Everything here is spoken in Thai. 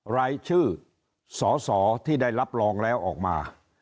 รายชื่อสอสอที่ได้รับรองแล้วออกมา